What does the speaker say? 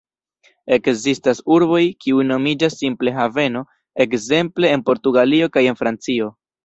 Ekzistas urboj, kiuj nomiĝas simple "haveno", ekzemple en Portugalio kaj en Francio.